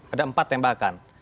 ada empat tembakan